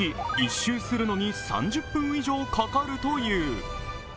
周するのに３０分以上かかるという。